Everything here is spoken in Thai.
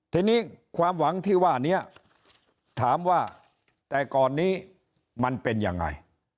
ทีนี้ความหวังที่ว่านี้ถามว่าแต่ก่อนนี้มันเป็นยังไง